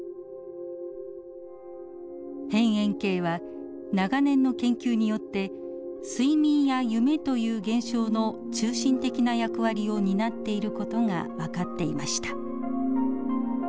辺縁系は長年の研究によって睡眠や夢という現象の中心的な役割を担っている事が分かっていました。